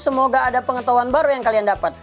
semoga ada pengetahuan baru yang kalian dapat